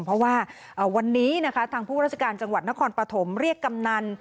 เพราะว่าวันนี้นะคะทางผู้ราชการจังหวัดนครปฐมเรียกกำนัน